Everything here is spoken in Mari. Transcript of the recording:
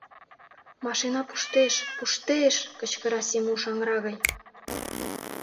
Машина пуштеш, пуште-еш! — кычкыра Семуш аҥыра гай...